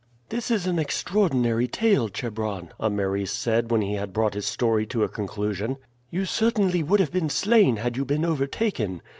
"This is an extraordinary tale, Chebron," Ameres said when he had brought his story to a conclusion. "You certainly would have been slain had you been overtaken.